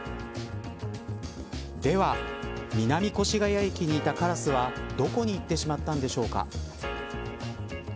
では、南越谷駅にいたカラスはどこに行ってしまったのでしょうか。